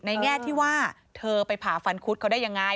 แง่ที่ว่าเธอไปผ่าฟันคุดเขาได้ยังไง